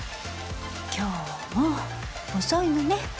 今日も遅いのね。